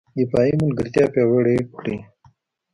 دفاعي ملګرتیا پیاوړې کړي